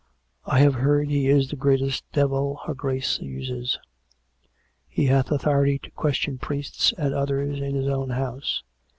" I have heard he is the greatest devil her Grace uses. He hath authority to question priests and others in his own house.